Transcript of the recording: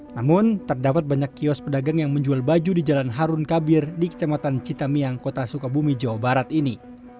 namun terdapat banyak kios pedagang yang menjual baju di jalan harun kabir di kecamatan citamiang kota sukabumi jawa barat ini